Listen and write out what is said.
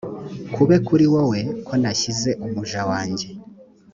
kube kuri wowe ko nashyize umuja wanjye